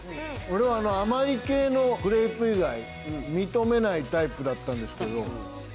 俺は甘い系のクレープ以外認めないタイプだったんですけど。